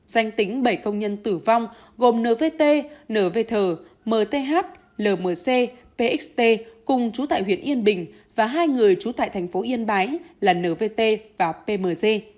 danh tính bảy công nhân tử vong gồm nvt nvth mth lmc pxt cùng trú tại huyện yên bình và hai người trú tại thành phố yên bái là nvt và pmg